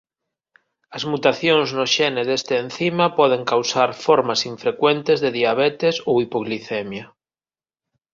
As mutacións no xene deste encima poden causar formas infrecuentes de diabetes ou hipoglicemia.